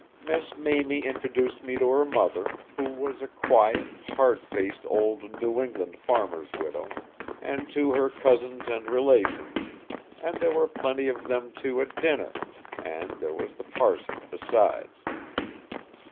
Miss Mamie introduced me to her mother, who was a quiet, hard faced old New England farmer's widow, and to her cousins and relations; and there were plenty of them too at dinner, and there was the parson besides.